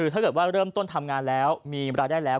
ถ้าเกิดว่าเริ่มต้นทำงานแล้วมีรายได้แล้ว